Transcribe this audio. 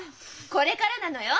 これからなのよ。